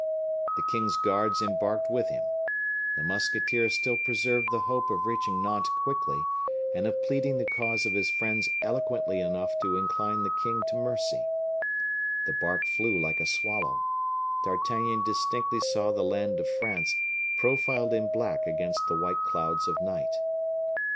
The king's guards embarked with him. The musketeer still preserved the hope of reaching Nantes quickly, and of pleading the cause of his friends eloquently enough to incline the king to mercy. The bark flew like a swallow. D'Artagnan distinctly saw the land of France profiled in black against the white clouds of night.